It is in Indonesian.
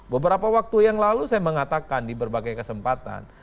beberapa waktu yang lalu saya mengatakan di berbagai kesempatan